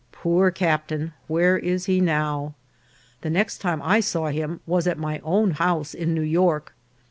Poor captain, where is he now ? The next time I saw him was at my own house in New York.